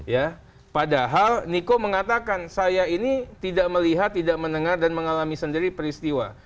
ya padahal niko mengatakan saya ini tidak melihat tidak mendengar dan mengalami sendiri peristiwa